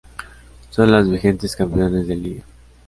Son las vigentes campeonas de liga.